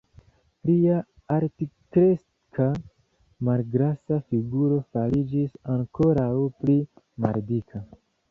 Lia altkreska, malgrasa figuro fariĝis ankoraŭ pli maldika.